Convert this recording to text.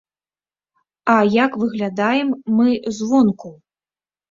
А як выглядаем мы звонку?